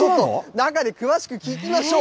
中で詳しく聞きましょう。